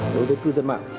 đối với cư dân mạng